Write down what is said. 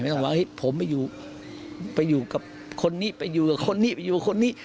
ต้องว่าเฮ้ยผมไปอยู่กับคนนี้ไปอยู่กับคนนี้ไปอยู่กับคนนี้